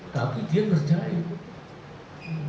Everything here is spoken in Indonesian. tapi dia kerjain